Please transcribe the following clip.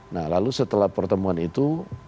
nah lalu setelah pertemuan itu